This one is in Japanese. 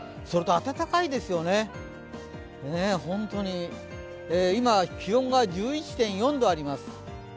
それと暖かいですよね、本当に、今、気温が１１．４度あります。